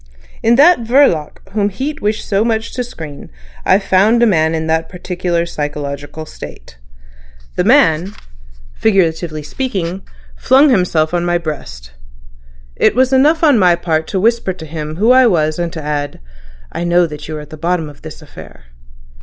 In that Verloc whom Heat wished so much to screen I've found a man in that particular psychological state. The man, figuratively speaking, flung himself on my breast. It was enough on my part to whisper to him who I was and to add 'I know that you are at the bottom of this affair.